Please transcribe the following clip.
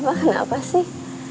papa kenapa sih